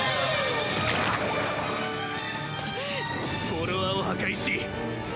フォロワーを破壊し！